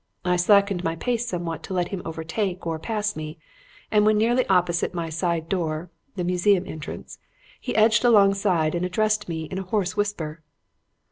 I slackened my pace somewhat to let him overtake or pass me, and when nearly opposite my side door (the museum entrance) he edged alongside and addressed me in a hoarse whisper.